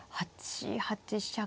８八飛車か。